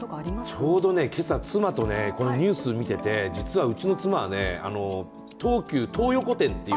ちょうど今朝、妻とこのニュース見てて実はうちの妻は東急東横店っていう